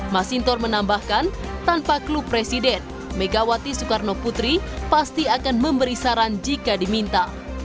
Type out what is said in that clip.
mas sintor menambahkan tanpa klub presiden megawati soekarnoputri pasti akan memberi saran jika diminta